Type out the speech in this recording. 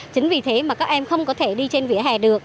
chính vì thế mà các em không có thể đi trên vỉa hè được